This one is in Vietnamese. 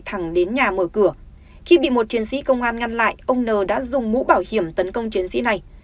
thẳng đến nhà mở cửa khi bị một chiến sĩ công an ngăn lại ông n đã dùng mũ bảo hiểm tấn công chiến sĩ này